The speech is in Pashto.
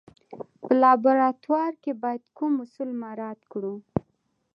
په لابراتوار کې باید کوم اصول مراعات کړو.